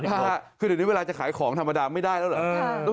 คือเดี๋ยวนี้เวลาจะขายของธรรมดาไม่ได้แล้วเหรอ